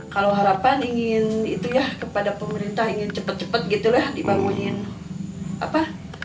kalau harapan ingin kepada pemerintah cepat cepat dibangunin